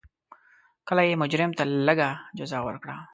کله یې مجرم ته لږه جزا ورکړه.